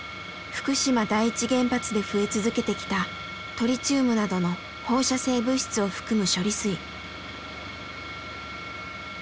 福島第一原発で増え続けてきたトリチウムなどの放射性物質を含む処理水。